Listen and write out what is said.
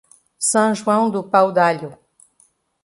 São João do Pau-d'Alho